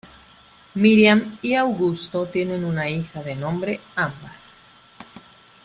Miriam y Augusto tienen una hija de nombre Ámbar.